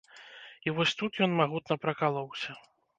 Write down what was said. І вось тут ён магутна пракалоўся.